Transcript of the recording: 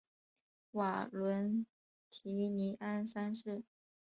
瓦伦提尼安三世。